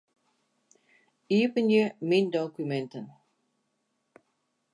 Iepenje Myn dokuminten.